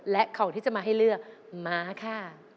และของที่จะมาให้เลือกมาค่ะ